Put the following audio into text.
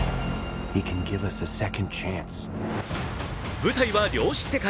舞台は量子世界。